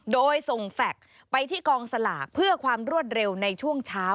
โดยส่งแฟคไปที่กองสลากเพื่อความรวดเร็วในช่วงเช้า